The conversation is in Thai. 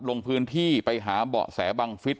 ลงพื้นที่ไปหาเบาะแสบังฟิศ